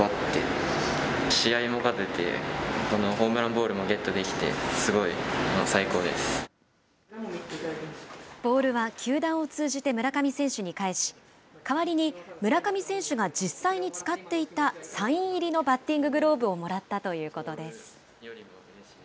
ボールは球団を通じて村上選手にかえし、代わりに村上選手が実際に使っていたサイン入りのバッティンググローブをもらったということです。